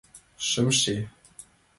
Шымше...